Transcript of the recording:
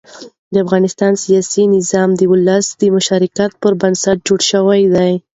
د افغانستان سیاسي نظام د ولس د مشارکت پر بنسټ جوړ شوی دی